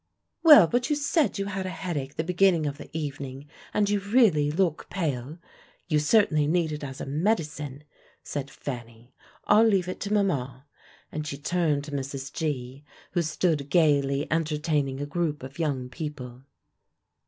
"Well, but you said you had a headache the beginning of the evening, and you really look pale; you certainly need it as a medicine," said Fanny. "I'll leave it to mamma;" and she turned to Mrs. G., who stood gayly entertaining a group of young people.